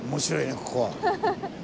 ここは。